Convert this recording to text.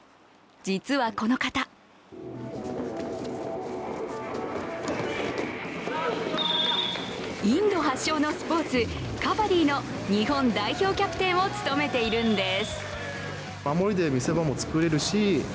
実はこの方インド発祥のスポーツカバディの日本代表キャプテンを務めているんです。